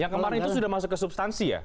yang kemarin itu sudah masuk ke substansi ya